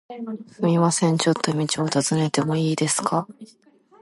すみません、ちょっと道を尋ねてもいいですか？